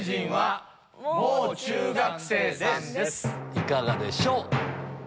いかがでしょう？